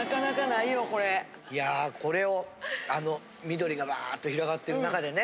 いやこれをあの緑がワーッと広がってる中でね。